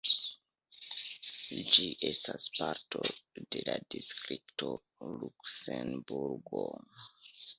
Ĝi estas parto de la distrikto Luksemburgo.